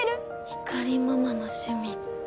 ひかりママの趣味って。